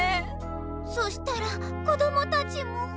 そしたら子どもたちも。